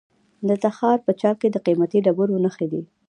د تخار په چال کې د قیمتي ډبرو نښې دي.